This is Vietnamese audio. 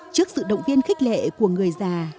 trước sự động viên khích lệ của người già